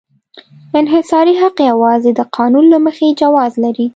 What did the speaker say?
انحصاري حق یوازې د قانون له مخې جواز لري.